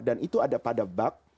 dan itu ada pada bak